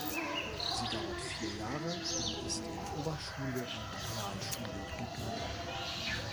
Sie dauert vier Jahre und ist in Oberschule und Realschule gegliedert.